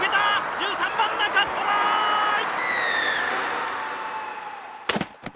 １３番、中、トライ！